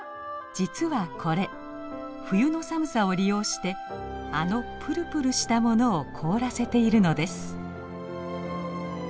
実はこれ冬の寒さを利用してあのプルプルしたものを凍らせているのです。